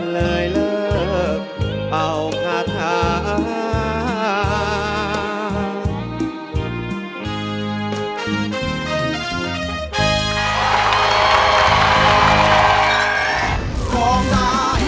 เลยเลิกเป่าคาถา